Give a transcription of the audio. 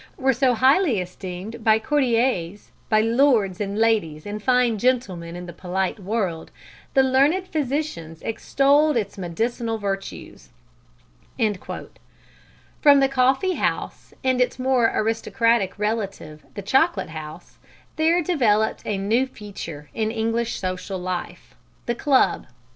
were so highly esteemed by courtiers, by lords and ladies and fine gentlemen in the polite world, the learned physicians extolled its medicinal virtues." From the coffee house and its more aristocratic relative the chocolate house, there developed a new feature in English social life the Club.